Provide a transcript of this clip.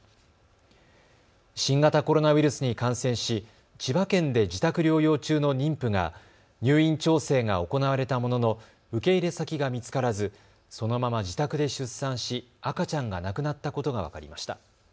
新型コロナウイルスに感染し千葉県で自宅療養中の妊婦が入院調整が行われたものの受け入れ先が見つからずそのまま自宅で出産し赤ちゃんが亡くなったことが分かりました。